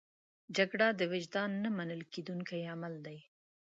جګړه د وجدان نه منل کېدونکی عمل دی